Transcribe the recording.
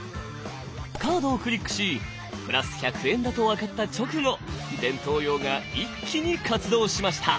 カードをクリックしプラス１００円だと分かった直後前頭葉が一気に活動しました。